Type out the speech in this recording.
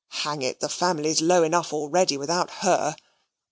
Hang it, the family's low enough already, without HER.